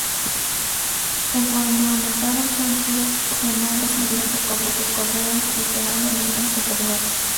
Conforme aumentaron su anchura, fueron accionadas mediante correas desde una línea superior.